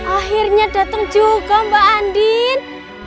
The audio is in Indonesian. akhirnya datang juga mbak andin